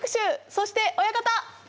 そして親方！